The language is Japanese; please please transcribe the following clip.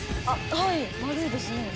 はい丸いですね。